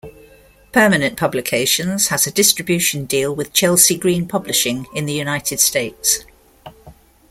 Permanent Publications has a distribution deal with Chelsea Green Publishing in the United States.